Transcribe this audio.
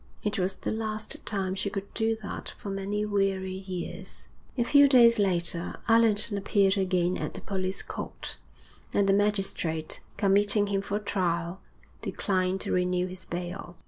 It was the last time she could do that for many weary years. A few days later Allerton appeared again at the police court, and the magistrate, committing him for trial, declined to renew his bail.